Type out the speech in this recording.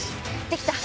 できた。